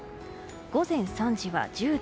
午前３時は１０度。